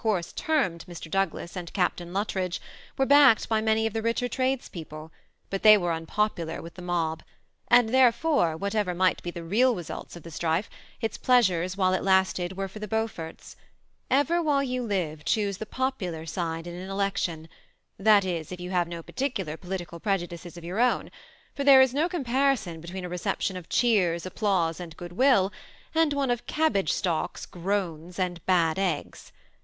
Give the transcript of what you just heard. course termed Mr. Douglas and Oaptain Lnttridge, were backed by many of the ri^er tradespeople, but they were oiipopular with the mob ; and, therefore, whatever might be the real results of the strife, its pleasures, while it lasted, were for the Beanforts. fiver while you live, choose the popular side in an election ; that is^ if you have no particular regard for the good of year country, and no particular political prfgudioes of your THE SBMI'ATTACHED COUPLE. 265 own ; for there is no comparison between a reception , of cheers, applause, and good will, and one of cabbage^ stalks, groans, and bad eggs.